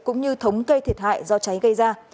cũng như thống kê thiệt hại do cháy gây ra